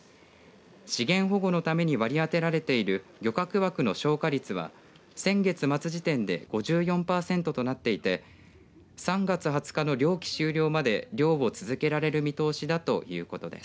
資源保護のために割り当てられている漁獲枠の消化率は先月末時点で５４パーセントとなっていて３月２０日の漁期終了まで漁を続けられる見通しだということです。